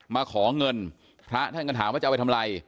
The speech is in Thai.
มาขอเงินพระท่านก็ถามว่าจะเอาไปทำอะไร